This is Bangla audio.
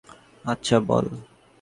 আচ্ছা, বল।